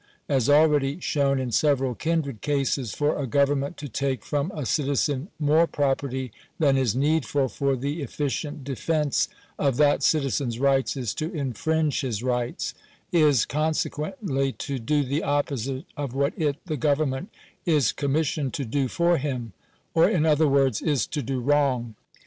As already shown in several kindred cases,' for a government to take from a citizen more property than is needful for the efficient defence of that citizen's rights, is to infringe his rights — is, conse quently, to do the opposite of what it, the government, is com missioned to do for him — or, in other words, is to do wrong.